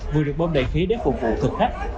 vừa được bơm đầy khí để phục vụ thực khách